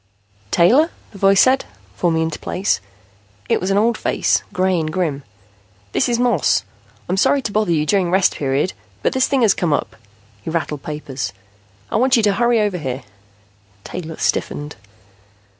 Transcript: "Taylor?" the face said, forming into place. It was an old face, gray and grim. "This is Moss. I'm sorry to bother you during Rest Period, but this thing has come up." He rattled papers. "I want you to hurry over here." Taylor stiffened.